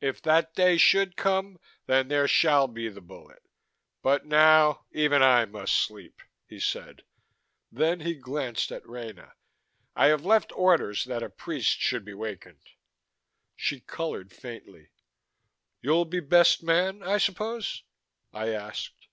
"If that day should come, then there shall be the bullet. But now, even I must sleep," he said. Then he glanced at Rena. "I have left orders that a priest should be wakened." She colored faintly. "You'll be best man, I suppose?" I asked.